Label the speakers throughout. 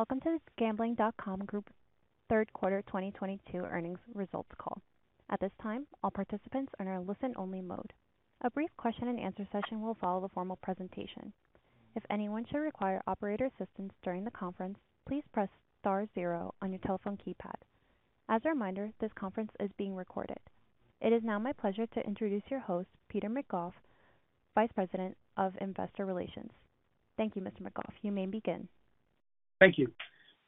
Speaker 1: Greetings and welcome to the Gambling.com Group third quarter 2022 earnings results call. At this time, all participants are in a listen-only mode. A brief question-and-answer session will follow the formal presentation. If anyone should require operator assistance during the conference, please press star zero on your telephone keypad. As a reminder, this conference is being recorded. It is now my pleasure to introduce your host, Peter McGough, Vice President of Investor Relations. Thank you, Mr. McGough. You may begin.
Speaker 2: Thank you.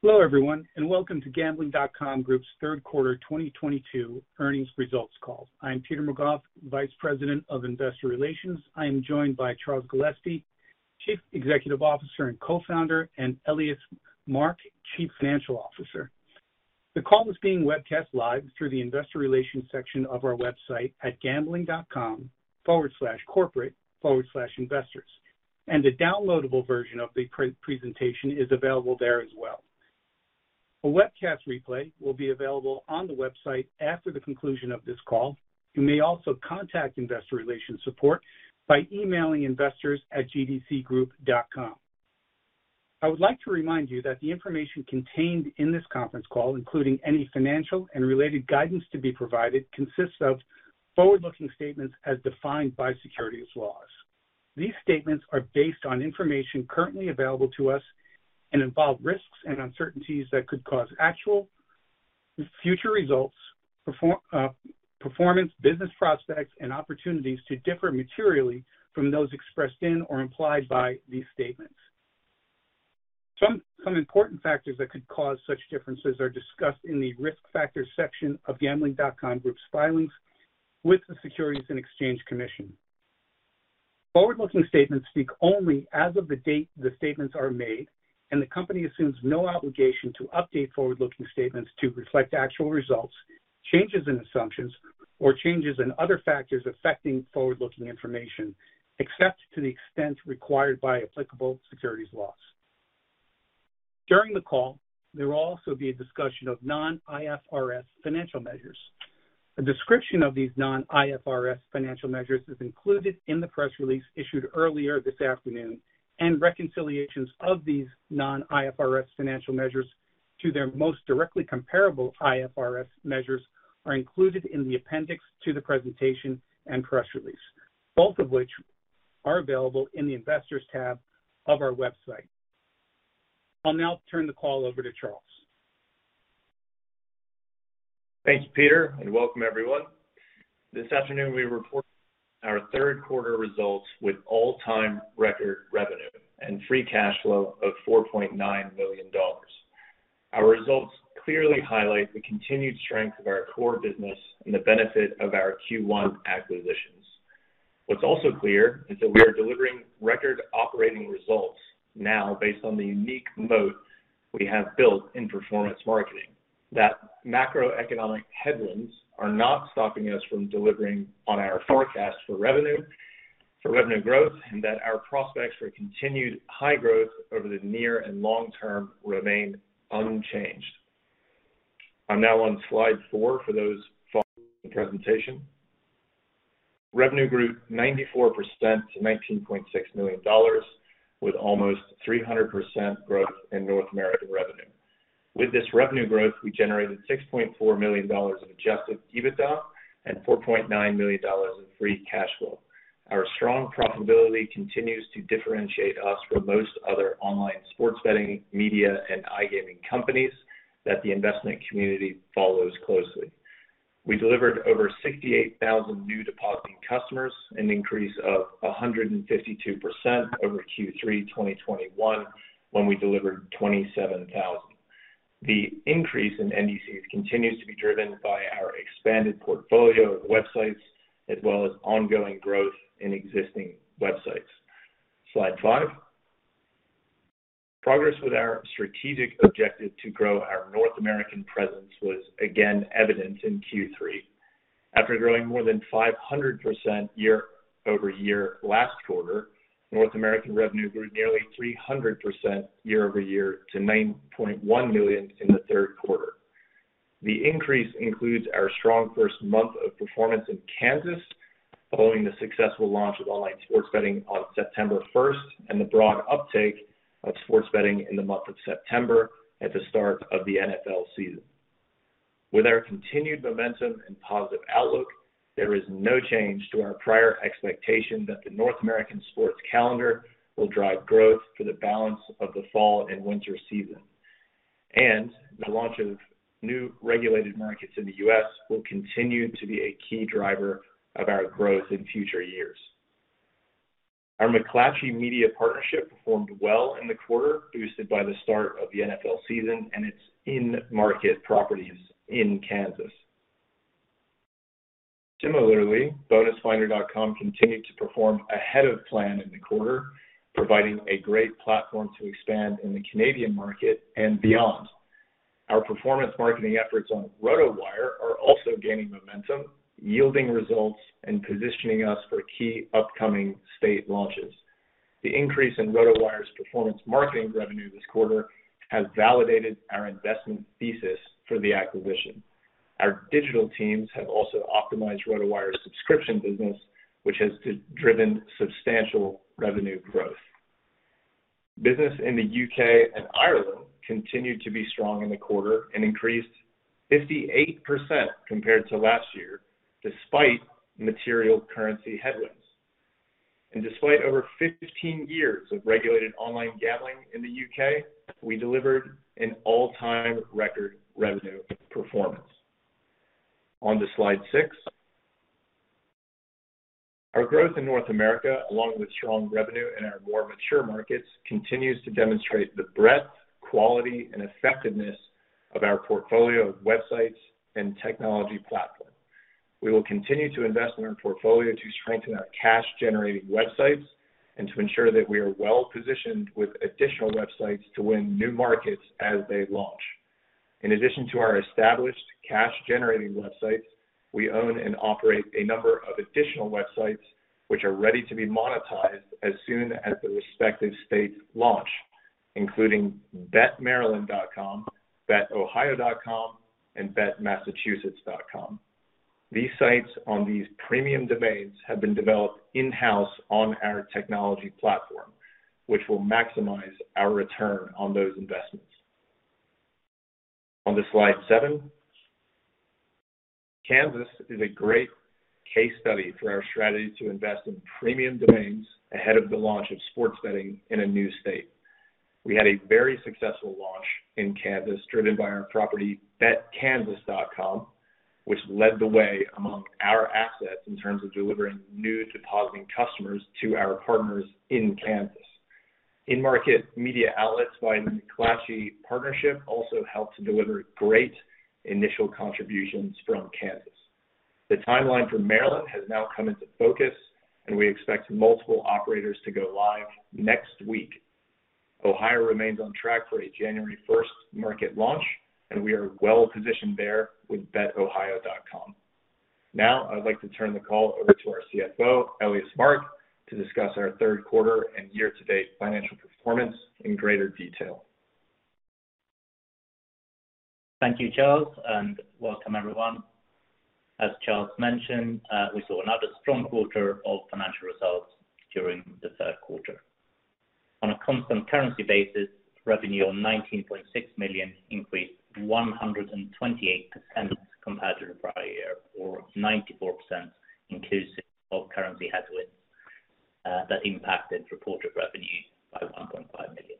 Speaker 2: Hello, everyone, and welcome to Gambling.com Group's third quarter 2022 earnings results call. I'm Peter McGough, Vice President of Investor Relations. I am joined by Charles Gillespie, Chief Executive Officer and Co-founder, and Elias Mark, Chief Financial Officer. The call is being webcast live through the Investor Relations section of our website at gambling.com/corporate/investors. A downloadable version of the presentation is available there as well. A webcast replay will be available on the website after the conclusion of this call. You may also contact Investor Relations support by emailing investors@gdcgroup.com. I would like to remind you that the information contained in this conference call, including any financial and related guidance to be provided, consists of forward-looking statements as defined by securities laws. These statements are based on information currently available to us and involve risks and uncertainties that could cause actual future results, performance, business prospects, and opportunities to differ materially from those expressed in or implied by these statements. Some important factors that could cause such differences are discussed in the Risk Factors section of Gambling.com Group's filings with the Securities and Exchange Commission. Forward-looking statements speak only as of the date the statements are made, and the company assumes no obligation to update forward-looking statements to reflect actual results, changes in assumptions or changes in other factors affecting forward-looking information, except to the extent required by applicable securities laws. During the call there will also be a discussion of non-IFRS financial measures. A description of these non-IFRS financial measures is included in the press release issued earlier this afternoon and reconciliations of these non-IFRS financial measures to their most directly comparable IFRS measures are included in the appendix to the presentation and press release, both of which are available in the Investors tab of our website. I'll now turn the call over to Charles.
Speaker 3: Thanks, Peter and welcome everyone. This afternoon we report our third quarter results with all-time record revenue and free cash flow of $4.9 million. Our results clearly highlight the continued strength of our core business and the benefit of our Q1 acquisitions. What's also clear is that we are delivering record operating results now based on the unique moat we have built in performance marketing, that macroeconomic headwinds are not stopping us from delivering on our forecast for revenue growth, and that our prospects for continued high growth over the near and long term remain unchanged. I'm now on slide four for those following the presentation. Revenue grew 94% to $19.6 million, with almost 300% growth in North American revenue. With this revenue growth, we generated $6.4 million Adjusted EBITDA and $4.9 million in free cash flow. Our strong profitability continues to differentiate us from most other online sports betting, media, and iGaming companies that the investment community follows closely. We delivered over $68,000 new depositing customers, an increase of 152% over Q3 2021 when we delivered $27,000. The increase in NDCs continues to be driven by our expanded portfolio of websites as well as ongoing growth in existing websites. Slide five. Progress with our strategic objective to grow our North American presence was again evident in Q3. After growing more than 500% year over year last quarter, North American revenue grew nearly 300% year over year to $9.1 million In the third quarter. The increase includes our strong first month of performance in Kansas following the successful launch of online sports betting on September 1st and the broad uptake of sports betting in the month of September at the start of the NFL season. With our continued momentum and positive outlook, there is no change to our prior expectation that the North American sports calendar will drive growth for the balance of the fall and winter season. And the launch of new regulated markets in the U.S. will continue to be a key driver of our growth in future years. Our McClatchy Media partnership performed well in the quarter, boosted by the start of the NFL season and its in-market properties in Kansas. Similarly, BonusFinder.com continued to perform ahead of plan in the quarter, providing a great platform to expand in the Canadian market and beyond. Our performance marketing efforts on RotoWire are also gaining momentum, yielding results and positioning us for key upcoming state launches. The increase in RotoWire's performance marketing revenue this quarter has validated our investment thesis for the acquisition. Our digital teams have also optimized RotoWire subscription business, which has driven substantial revenue growth. Business in the U.K. and Ireland continued to be strong in the quarter and increased 58% compared to last year, despite material currency headwinds. Despite over 15 years of regulated online gambling in the U.K., we delivered an all-time record revenue performance. On to slide six. Our growth in North America, along with strong revenue in our more mature markets, continues to demonstrate the breadth, quality, and effectiveness of our portfolio of websites and technology platform. We will continue to invest in our portfolio to strengthen our cash-generating websites and to ensure that we are well-positioned with additional websites to win new markets as they launch. In addition to our established cash-generating websites, we own and operate a number of additional websites which are ready to be monetized as soon as the respective states launch, including BetMaryland.com, BetOhio.com, and BetMassachusetts.com. These sites on these premium domains have been developed in-house on our technology platform, which will maximize our return on those investments. On to slide seven. Kansas is a great case study for our strategy to invest in premium domains ahead of the launch of sports betting in a new state. We had a very successful launch in Kansas, driven by our property, BetKansas.com, which led the way among our assets in terms of delivering new depositing customers to our partners in Kansas. In-market media outlets, our McClatchy partnership also helped to deliver great initial contributions from Kansas. The timeline for Maryland has now come into focus, and we expect multiple operators to go live next week. Ohio remains on track for a January 1st market launch, and we are well-positioned there with BetOhio.com. Now, I'd like to turn the call over to our CFO, Elias Mark, to discuss our third quarter and year-to-date financial performance in greater detail.
Speaker 4: Thank you, Charles, and welcome, everyone. As Charles mentioned, we saw another strong quarter of financial results during the third quarter. On a constant currency basis, revenue of 19.6 million increased 128% compared to the prior year, or 94% inclusive of currency headwinds that impacted reported revenue by 1.5 million.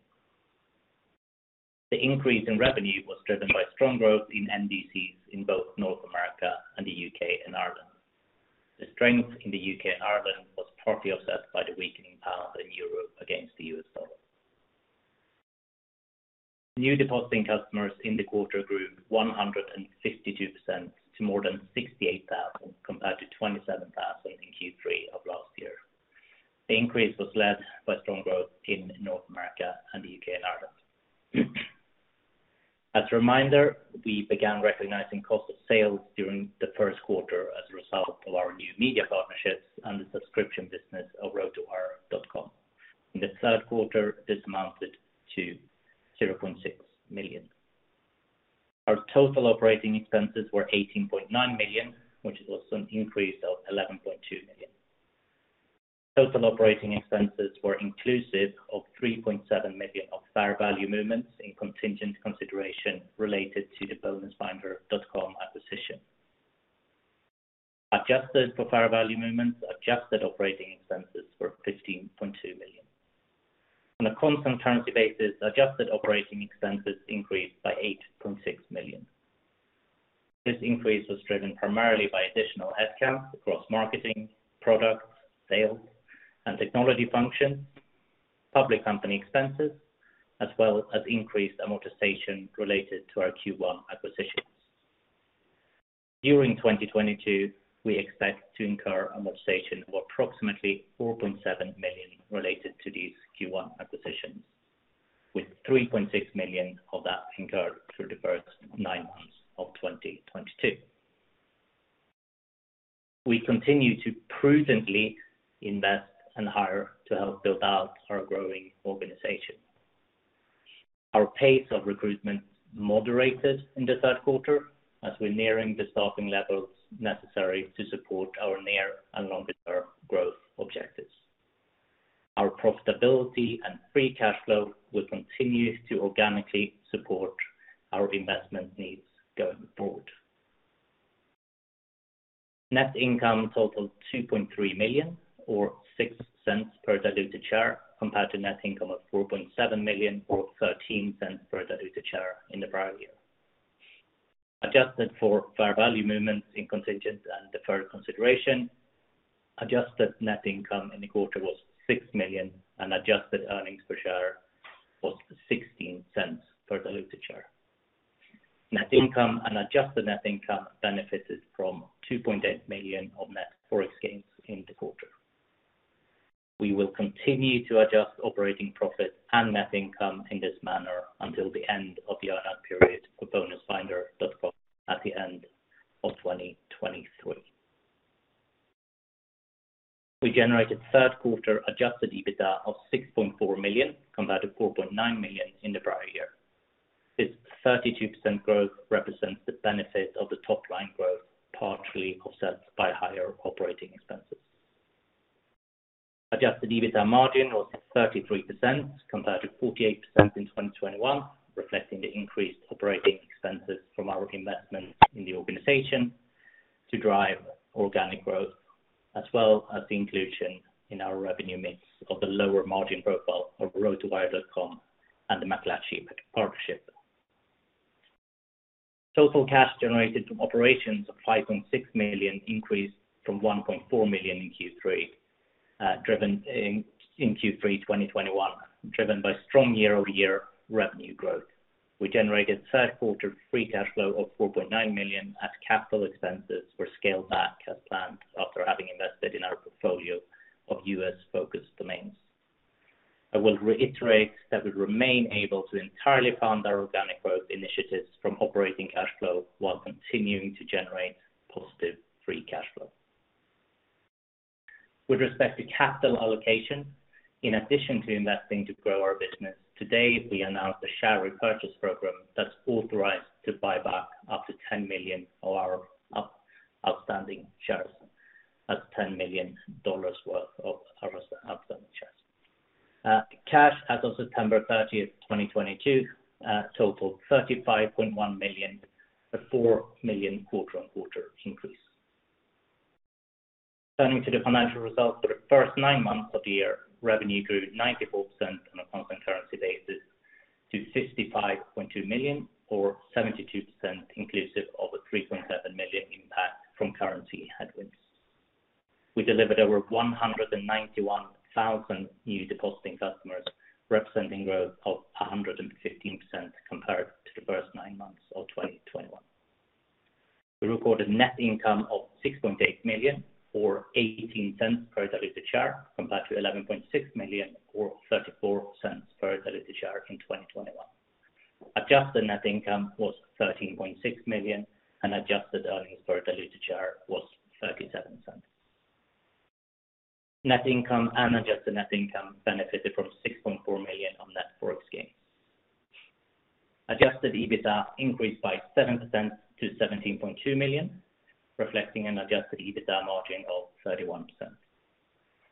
Speaker 4: The increase in revenue was driven by strong growth in NDCs in both North America and the U.K. and Ireland. The strength in the U.K. and Ireland was partly offset by the weakening pound in Europe against the U.S. dollar. New depositing customers in the quarter grew 152% to more than 68,000, compared to 27,000 in Q3 of last year. The increase was led by strong growth in North America and the U.K. and Ireland. As a reminder, we began recognizing cost of sales during the first quarter as a result of our new media partnerships and the subscription business of RotoWire.com. In the third quarter, this amounted to 0.6 million. Our total operating expenses were 18.9 million, which was an increase of 11.2 million. Total operating expenses were inclusive of 3.7 million of fair value movements in contingent consideration related to the BonusFinder.com acquisition. Adjusted for fair value movements, adjusted operating expenses were 15.2 million. On a constant currency basis, adjusted operating expenses increased by 8.6 million. This increase was driven primarily by additional headcounts across marketing, product, sales, and technology functions, public company expenses, as well as increased amortization related to our Q1 acquisitions. During 2022, we expect to incur amortization of approximately 4.7 million related to these Q1 acquisitions, with 3.6 million of that incurred through the first nine months of 2022. We continue to prudently invest and hire to help build out our growing organization. Our pace of recruitment moderated in the third quarter as we're nearing the staffing levels necessary to support our near- and long-term growth objectives. Our profitability and free cash flow will continue to organically support our investment needs going forward. Net income totaled 2.3 million or 0.06 per diluted share, compared to net income of 4.7 million or 0.13 per diluted share in the prior year. Adjusted for fair value movements in contingent and deferred consideration, adjusted net income in the quarter was 6 million, and adjusted earnings per share was 0.16 per diluted share. Net income and adjusted net income benefited from 2.8 million of net Forex gains in the quarter. We will continue to adjust operating profit and net income in this manner until the end of the earn-out period for BonusFinder.com at the end of 2023. We generated third quarter adjusted EBITDA of 6.4 million compared to 4.9 million in the prior year. This 32% growth represents the benefit of the top-line growth, partially offset by higher operating expenses. Adjusted EBITDA margin was 33% compared to 48% in 2021, reflecting the increased operating expenses from our investment in the organization to drive organic growth, as well as the inclusion in our revenue mix of the lower margin profile of RotoWire.com and the McClatchy partnership. Total cash generated from operations of 5.6 million increased from 1.4 million in Q3 2021, driven by strong year-over-year revenue growth. We generated third quarter free cash flow of 4.9 million as capital expenses were scaled back as planned after having invested in our portfolio of U.S.-focused domains. I will reiterate that we remain able to entirely fund our organic growth initiatives from operating cash flow while continuing to generate positive free cash flow. With respect to capital allocation, in addition to investing to grow our business, today we announced a share repurchase program that's authorized to buy back up to 10 million of our outstanding shares. That's $10 million worth of our outstanding shares. Cash as of September 30th, 2022, totaled 35.1 million, a 4 million quarter-on-quarter increase. Turning to the financial results for the first nine months of the year, revenue grew 94% on a constant currency basis to 65.2 million, or 72% inclusive of a 3.7 million impact from currency headwinds. We delivered over 191,000 new depositing customers, representing growth of 115% compared to the first nine months of 2021. We recorded net income of 6.8 million or 0.18 per diluted share, compared to 11.6 million or 0.34 per diluted share in 2021. Adjusted net income was 13.6 million, and adjusted earnings per diluted share was 0.37. Net income and adjusted net income benefited from 6.4 million on net foreign exchange. Adjusted EBITDA increased by 7% to 17.2 million, reflecting an adjusted EBITDA margin of 31%.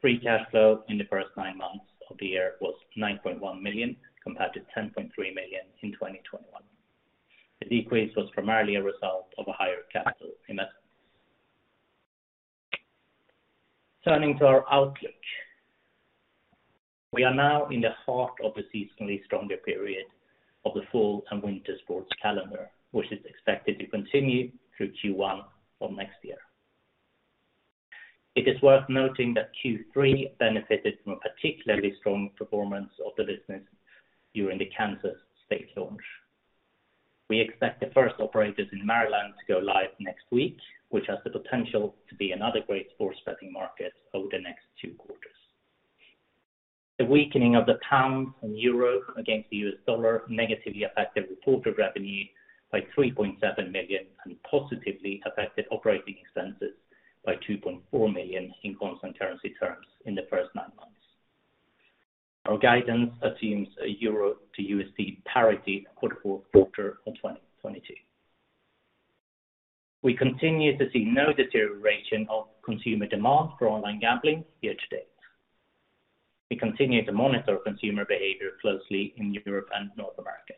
Speaker 4: Free cash flow in the first nine months of the year was 9.1 million, compared to 10.3 million in 2021. The decrease was primarily a result of a higher capital investment. Turning to our outlook. We are now in the heart of the seasonally stronger period of the fall and winter sports calendar, which is expected to continue through Q1 of next year. It is worth noting that Q3 benefited from a particularly strong performance of the business during the Kansas state launch. We expect the first operators in Maryland to go live next week, which has the potential to be another great sports betting market over the next two quarters. The weakening of the pound and euro against the U.S. dollar negatively affected reported revenue by 3.7 million, and positively affected operating expenses by 2.4 million in constant currency terms in the first nine months. Our guidance assumes a euro to USD parity for the full quarter of 2020. We continue to see no deterioration of consumer demand for online gambling year to date. We continue to monitor consumer behavior closely in Europe and North America.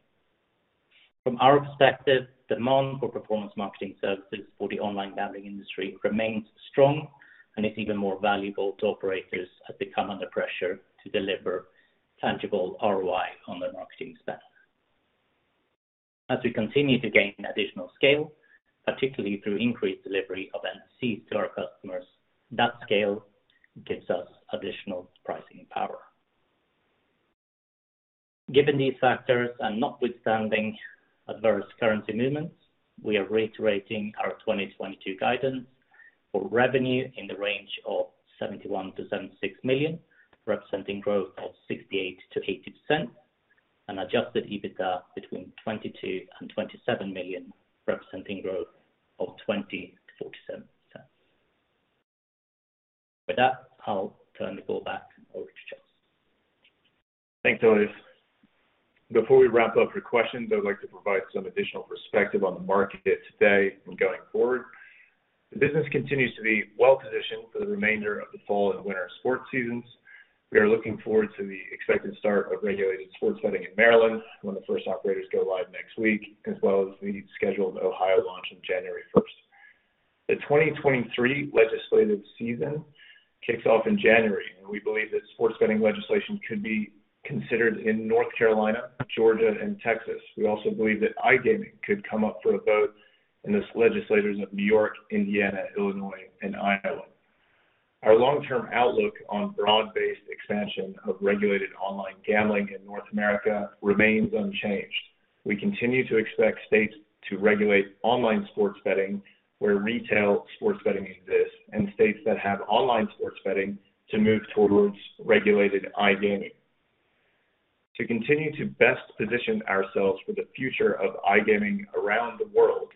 Speaker 4: From our perspective, demand for performance marketing services for the online gambling industry remains strong and is even more valuable to operators as they come under pressure to deliver tangible ROI on their marketing spend. As we continue to gain additional scale, particularly through increased delivery of NDC to our customers, that scale gives us additional pricing power. Given these factors and notwithstanding adverse currency movements, we are reiterating our 2022 guidance for revenue in the range of 71 million-76 million, representing growth of 68%-80%, and adjusted EBITDA between 22 million and 27 million, representing growth of 20%-47%. With that, I'll turn the call back over to Charles.
Speaker 3: Thanks, Elias. Before we wrap up for questions, I would like to provide some additional perspective on the market today and going forward. The business continues to be well positioned for the remainder of the fall and winter sports seasons. We are looking forward to the expected start of regulated sports betting in Maryland when the first operators go live next week, as well as the scheduled Ohio launch on January first. The 2023 legislative season kicks off in January, and we believe that sports betting legislation could be considered in North Carolina, Georgia, and Texas. We also believe that iGaming could come up for a vote in the legislatures of New York, Indiana, Illinois, and Iowa. Our long-term outlook on broad-based expansion of regulated online gambling in North America remains unchanged. We continue to expect states to regulate online sports betting where retail sports betting exists, and states that have online sports betting to move towards regulated iGaming. To continue to best position ourselves for the future of iGaming around the world,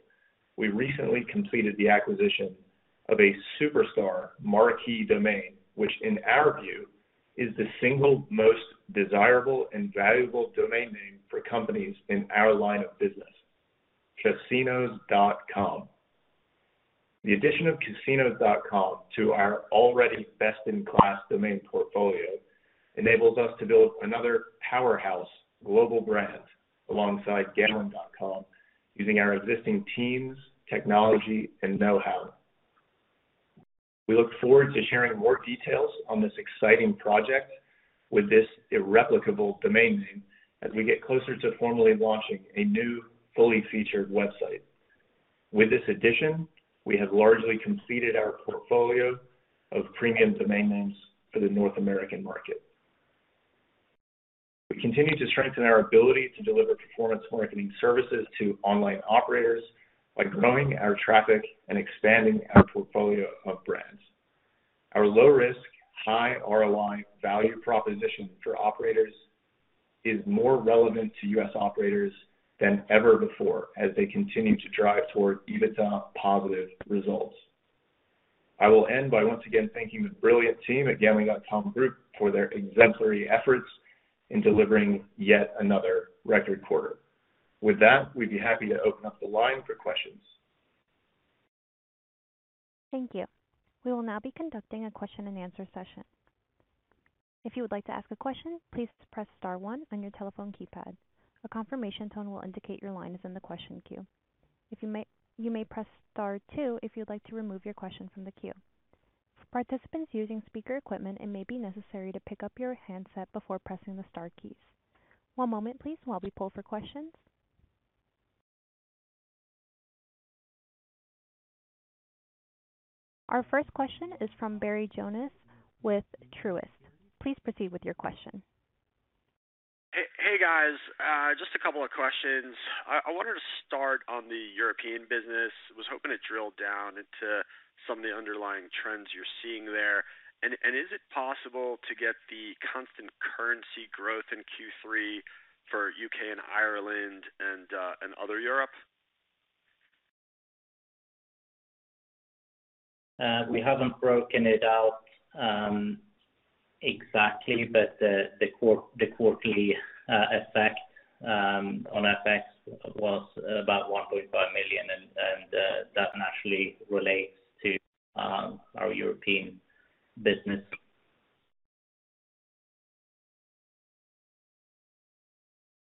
Speaker 3: we recently completed the acquisition of a superstar marquee domain, which in our view, is the single most desirable and valuable domain name for companies in our line of business, Casinos.com. The addition of Casinos.com to our already best-in-class domain portfolio enables us to build another powerhouse global brand alongside Gambling.com using our existing teams, technology, and know-how. We look forward to sharing more details on this exciting project with this irreplicable domain name as we get closer to formally launching a new, fully featured website. With this addition, we have largely completed our portfolio of premium domain names for the North American market. We continue to strengthen our ability to deliver performance marketing services to online operators by growing our traffic and expanding our portfolio of brands. Our low risk, high ROI value proposition for operators is more relevant to U.S. operators than ever before as they continue to drive toward EBITDA positive results. I will end by once again thanking the brilliant team at Gambling.com Group for their exemplary efforts in delivering yet another record quarter. With that, we'd be happy to open up the line for questions.
Speaker 1: Thank you. We will now be conducting a question-and-answer session. If you would like to ask a question, please press star one on your telephone keypad. A confirmation tone will indicate your line is in the question queue. You may press star two if you'd like to remove your question from the queue. Participants using speaker equipment, it may be necessary to pick up your handset before pressing the star keys. One moment, please, while we poll for questions. Our first question is from Barry Jonas with Truist. Please proceed with your question.
Speaker 5: Hey, guys, just a couple of questions. I wanted to start on the European business. Was hoping to drill down into some of the underlying trends you're seeing there. Is it possible to get the constant currency growth in Q3 for U.K. and Ireland and other Europe?
Speaker 4: We haven't broken it out exactly, but the quarterly effect on FX was about 1.5 million, and that naturally relates to our European business.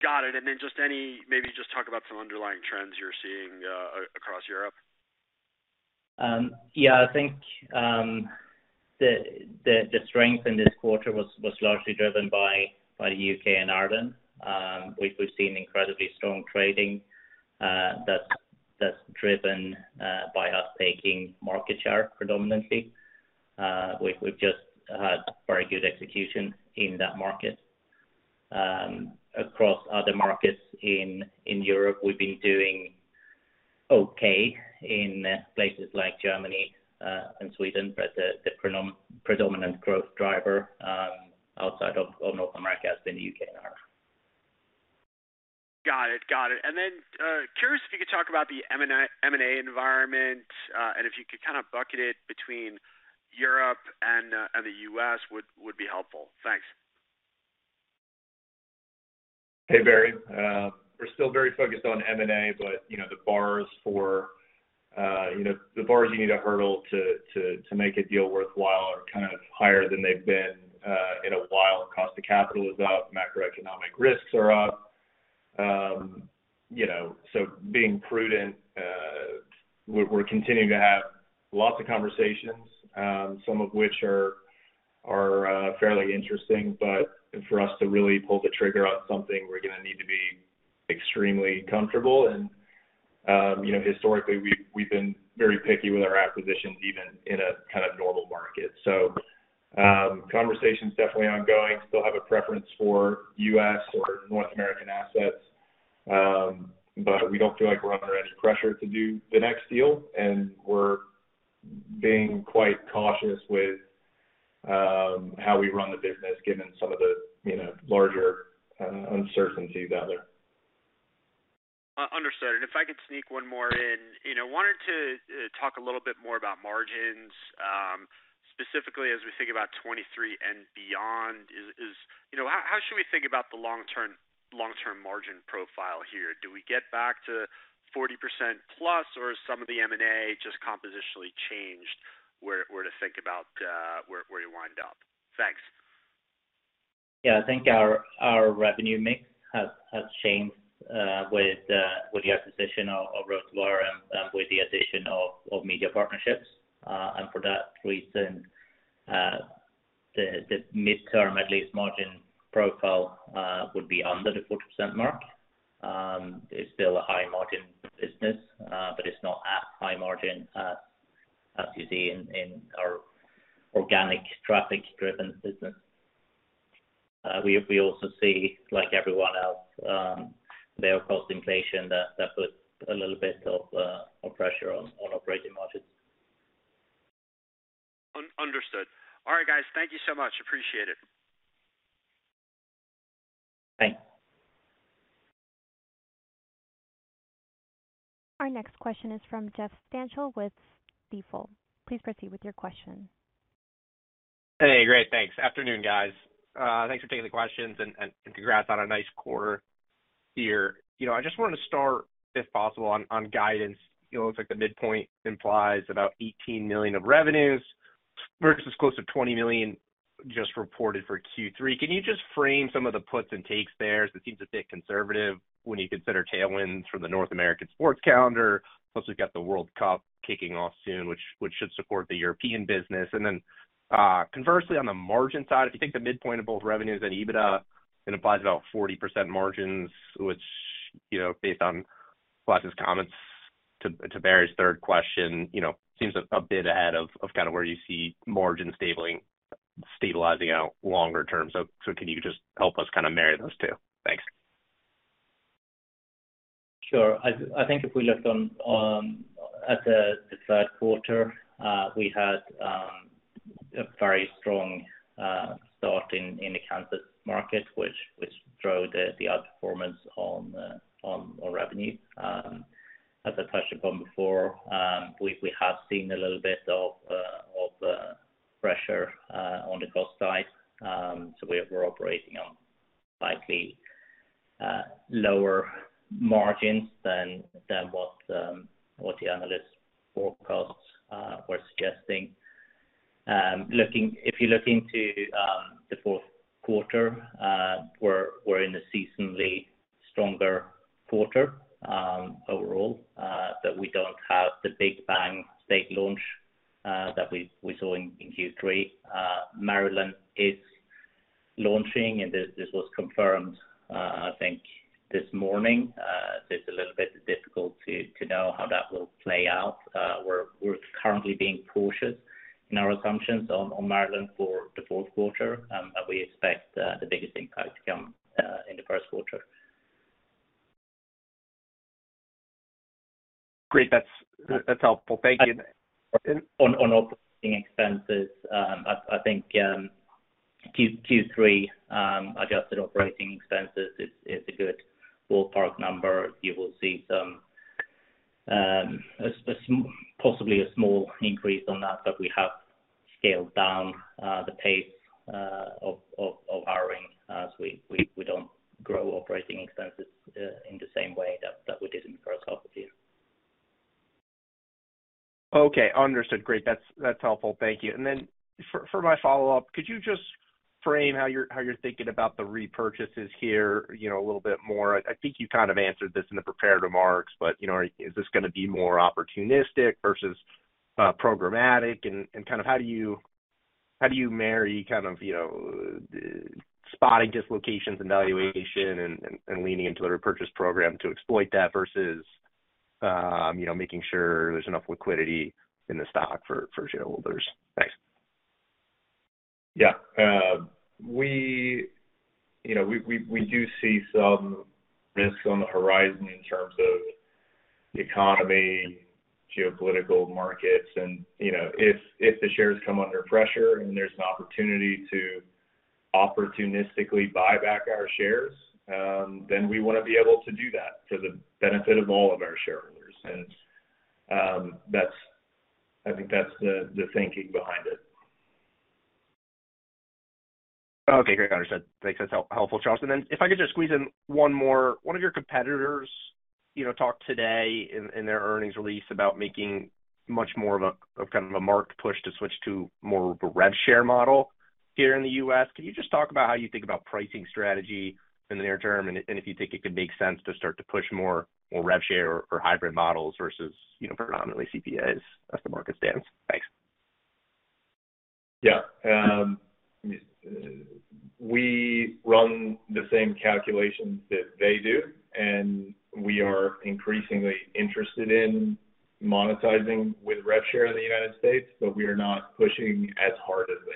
Speaker 5: Got it. Maybe just talk about some underlying trends you're seeing across Europe.
Speaker 4: Yeah, I think the strength in this quarter was largely driven by U.K. and Ireland. We've seen incredibly strong trading that's driven by us taking market share predominantly. We've just had very good execution in that market. Across other markets in Europe, we've been doing okay in places like Germany and Sweden, but the predominant growth driver outside of North America has been U.K. and Ireland.
Speaker 5: Got it. Curious if you could talk about the M&A environment, and if you could kinda bucket it between Europe and the U.S. would be helpful. Thanks.
Speaker 3: Hey, Barry. We're still very focused on M&A, but you know, the bars you need to hurdle to make a deal worthwhile are kind of higher than they've been in a while. Cost of capital is up, macroeconomic risks are up. You know, being prudent, we're continuing to have lots of conversations, some of which are fairly interesting, but for us to really pull the trigger on something, we're gonna need to be extremely comfortable. You know, historically, we've been very picky with our acquisitions even in a kind of normal market. Conversation's definitely ongoing. Still have a preference for U.S. or North American assets, but we don't feel like we're under any pressure to do the next deal, and we're being quite cautious with how we run the business, given some of the, you know, larger uncertainties out there.
Speaker 5: Understood. If I could sneak one more in. You know, wanted to talk a little bit more about margins, specifically as we think about 2023 and beyond. You know, how should we think about the long-term margin profile here? Do we get back to 40%+, or is some of the M&A just compositionally changed we're to think about where you wind up? Thanks.
Speaker 4: Yeah. I think our revenue mix has changed with the acquisition of RotoWire and with the addition of media partnerships. For that reason, the midterm, at least margin profile, would be under the 40% mark. It's still a high margin business, but it's not as high margin as you see in our organic traffic-driven business. We also see, like everyone else, their cost inflation that puts a little bit of pressure on operating margins.
Speaker 5: All right, guys, thank you so much. Appreciate it.
Speaker 4: Thanks.
Speaker 1: Our next question is from Jeff Stantial with Stifel. Please proceed with your question.
Speaker 6: Hey, great. Thanks. Afternoon, guys. Thanks for taking the questions and congrats on a nice quarter here. You know, I just wanted to start, if possible, on guidance. It looks like the midpoint implies about 18 million of revenues versus close to 20 million just reported for Q3. Can you just frame some of the puts and takes there as it seems a bit conservative when you consider tailwinds from the North American sports calendar, plus we've got the World Cup kicking off soon, which should support the European business. Conversely on the margin side, if you take the midpoint of both revenues and EBITDA, it implies about 40% margins, which, you know, based on Elias Mark's comments to Barry's third question, you know, seems a bit ahead of kind of where you see margins stabilizing out longer term. Can you just help us kind of marry those two? Thanks.
Speaker 4: Sure. I think if we look on at the third quarter, we had a very strong start in the Kansas market, which drove the outperformance on our revenue. As I touched upon before, we have seen a little bit of pressure on the cost side. We're operating on slightly lower margins than what the analyst forecasts were suggesting. If you look into the fourth quarter, we're in a seasonally stronger quarter overall, but we don't have the big bang state launch that we saw in Q3. Maryland is launching, and this was confirmed, I think this morning. It's a little bit difficult to know how that will play out. We're currently being cautious in our assumptions on Maryland for the fourth quarter, but we expect the biggest impact to come in the first quarter.
Speaker 6: Great. That's helpful. Thank you.
Speaker 4: On operating expenses, I think Q3 adjusted operating expenses is a good ballpark number. You will see some, possibly a small increase on that, but we have scaled down the pace of hiring as we don't grow operating expenses in the same way that we did in the first half of the year.
Speaker 6: Okay. Understood. Great. That's helpful. Thank you. For my follow-up, could you just frame how you're thinking about the repurchases here, you know, a little bit more? I think you kind of answered this in the prepared remarks, but, you know, is this gonna be more opportunistic versus programmatic? Kind of how do you marry kind of, you know, spotting dislocations and valuation and leaning into the repurchase program to exploit that versus, you know, making sure there's enough liquidity in the stock for shareholders? Thanks.
Speaker 3: Yeah. We, you know, we do see some risks on the horizon in terms of economy, geopolitical markets. You know, if the shares come under pressure and there's an opportunity to opportunistically buy back our shares, then we wanna be able to do that to the benefit of all of our shareholders. I think that's the thinking behind it.
Speaker 6: Okay, great. Understood. Thanks. That's helpful, Charles. If I could just squeeze in one more. One of your competitors, you know, talked today in their earnings release about making much more of kind of a marked push to switch to more of a RevShare model here in the U.S. Can you just talk about how you think about pricing strategy in the near term, and if you think it could make sense to start to push more RevShare or hybrid models versus, you know, predominantly CPAs as the market stands? Thanks.
Speaker 3: Yeah. We run the same calculations that they do, and we are increasingly interested in monetizing with RevShare in the United States, but we are not pushing as hard as they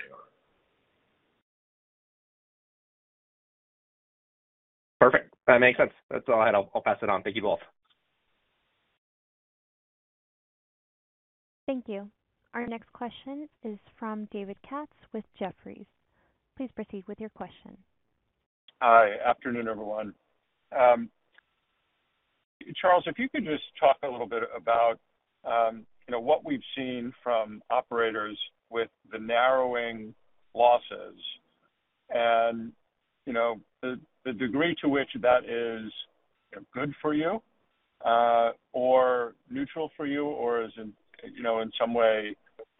Speaker 3: are.
Speaker 6: Perfect. That makes sense. That's all I had. I'll pass it on. Thank you both.
Speaker 1: Thank you. Our next question is from David Katz with Jefferies. Please proceed with your question.
Speaker 7: Hi. Afternoon, everyone. Charles, if you could just talk a little bit about, you know, what we've seen from operators with the narrowing losses and, you know, the degree to which that is, you know, good for you or neutral for you, or is it, you know, in some way,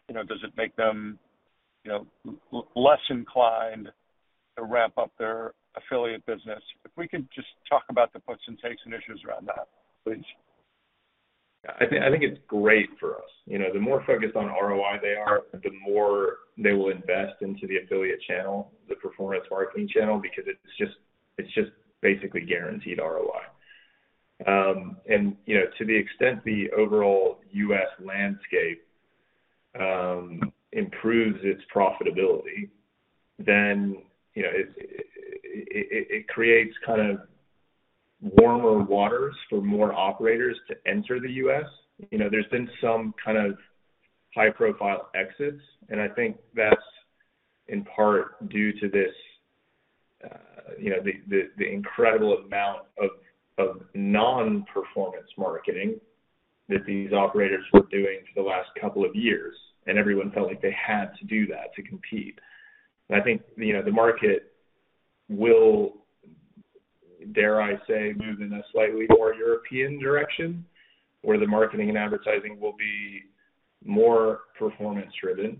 Speaker 7: you know, does it make them, you know, less inclined to ramp up their affiliate business? If we could just talk about the puts and takes and issues around that, please.
Speaker 3: I think it's great for us. You know, the more focused on ROI they are, the more they will invest into the affiliate channel, the performance marketing channel, because it's just basically guaranteed ROI. You know, to the extent the overall U.S. landscape improves its profitability, then, you know, it creates kind of warmer waters for more operators to enter the U.S. You know, there's been some kind of high-profile exits, and I think that's in part due to this, you know, the incredible amount of non-performance marketing that these operators were doing for the last couple of years, and everyone felt like they had to do that to compete. I think, you know, the market will, dare I say, move in a slightly more European direction, where the marketing and advertising will be more performance-driven,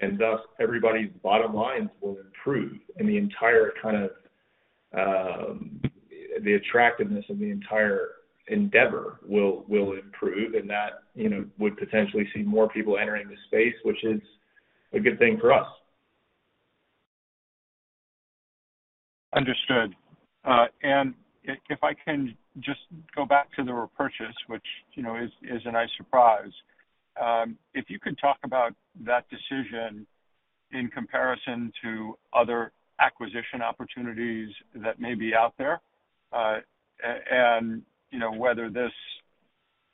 Speaker 3: and thus everybody's bottom lines will improve. The attractiveness of the entire endeavor will improve, and that, you know, would potentially see more people entering the space, which is a good thing for us.
Speaker 7: Understood. If I can just go back to the repurchase, which, you know, is a nice surprise. If you could talk about that decision in comparison to other acquisition opportunities that may be out there. You know, whether this,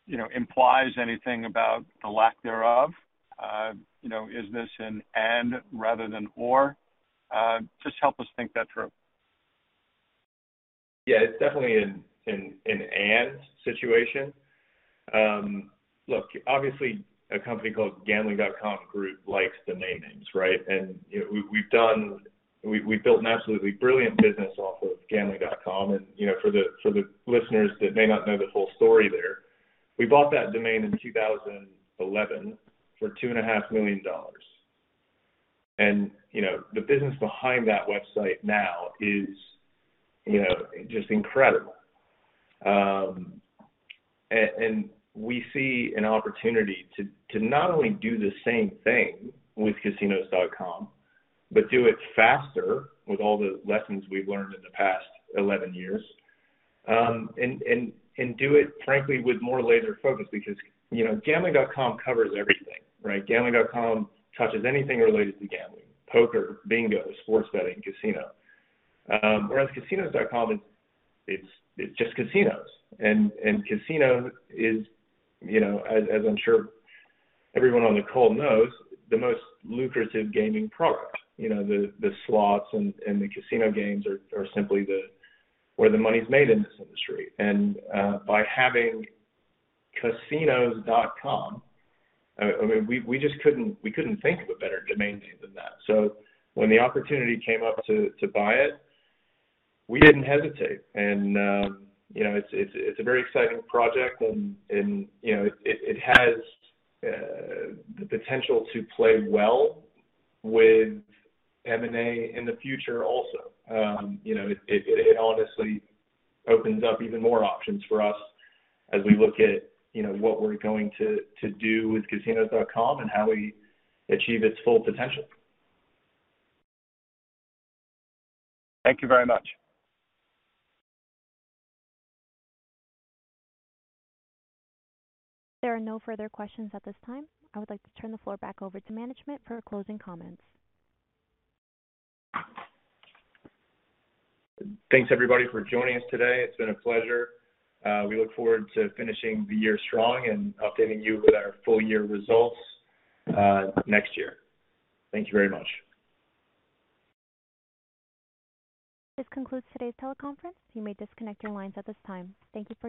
Speaker 7: you know, implies anything about the lack thereof. You know, is this an and rather than or? Just help us think that through.
Speaker 3: Yeah, it's definitely an and situation. Look, obviously a company called Gambling.com Group likes the name games, right? You know, we've built an absolutely brilliant business off of Gambling.com. You know, for the listeners that may not know the whole story there, we bought that domain in 2011 for two and a half million dollars. You know, the business behind that website now is, you know, just incredible. We see an opportunity to not only do the same thing with Casinos.com, but do it faster with all the lessons we've learned in the past 11 years. Do it, frankly, with more laser focus because, you know, Gambling.com covers everything, right? Gambling.com touches anything related to gambling, poker, bingo, sports betting, casino. Whereas Casinos.com, it's just casinos. Casino is, you know, as I'm sure everyone on the call knows, the most lucrative gaming product. You know, the slots and the casino games are simply where the money's made in this industry. By having Casinos.com, I mean, we just couldn't think of a better domain name than that. When the opportunity came up to buy it, we didn't hesitate. You know, it's a very exciting project and, you know, it has the potential to play well with M&A in the future also. You know, it honestly opens up even more options for us as we look at, you know, what we're going to do with Casinos.com and how we achieve its full potential.
Speaker 7: Thank you very much.
Speaker 1: There are no further questions at this time. I would like to turn the floor back over to management for closing comments.
Speaker 3: Thanks, everybody, for joining us today. It's been a pleasure. We look forward to finishing the year strong and updating you with our full-year results next year. Thank you very much.
Speaker 1: This concludes today's teleconference. You may disconnect your lines at this time. Thank you for your participation.